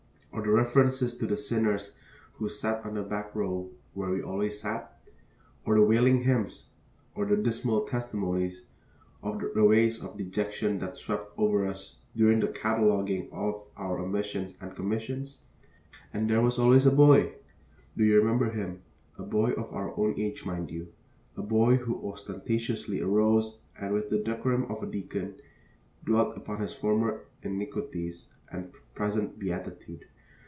Or the references to the sinners who sat on the back row (where we always sat)? Or the wailing hymns, or the dismal testimonies, or the waves of dejection that swept over us during the cataloguing of our omissions and commissions? And there was always a boy! Do you remember him? A boy of our own age, mind you, a boy who ostentatiously arose and, with the decorum of a deacon, dwelt upon his former iniquities and present beatitude.